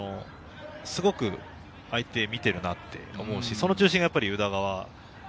すごく相手を見てるなと思うし、その中心が宇田川瑛